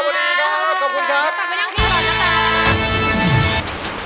ขอบคุณครับ